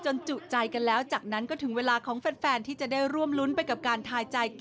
จุใจกันแล้วจากนั้นก็ถึงเวลาของแฟนที่จะได้ร่วมรุ้นไปกับการทายใจ